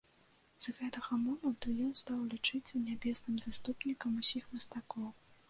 З гэтага моманту ён стаў лічыцца нябесным заступнікам усіх мастакоў.